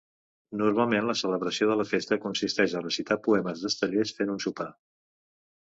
Normalment, la celebració de la festa consisteix a recitar poemes d'Estellés fent un sopar.